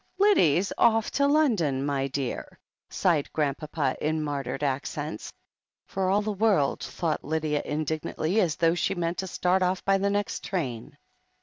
"Lyddie's off to London, my dear," sighed Grand papa in martyred accents, for all the world, thought Lydia indignantly, as though she meant to start off by the next train.